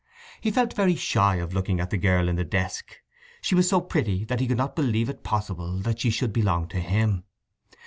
He felt very shy of looking at the girl in the desk; she was so pretty that he could not believe it possible that she should belong to him.